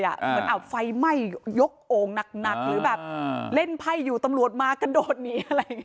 เหมือนไฟไหม้ยกโองหนักหรือแบบเล่นไพ่อยู่ตำรวจมากกระโดดหนี